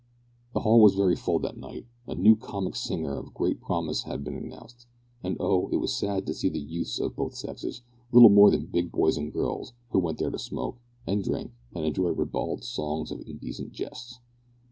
The hall was very full that night, a new comic singer of great promise having been announced, and oh! it was sad to see the youths of both sexes, little more than big boys and girls, who went there to smoke, and drink, and enjoy ribald songs and indecent jests!